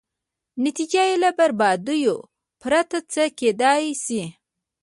نتېجه یې له بربادیو پرته څه کېدای شي.